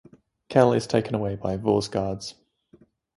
Kell is taken away by Vagh's guards.